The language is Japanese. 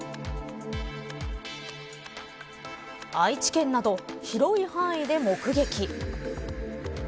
愛知県など広い範囲で目撃。